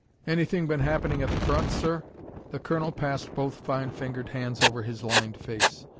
"Anything been happening at the front, sir?" The colonel passed both fine fingered hands over his lined face.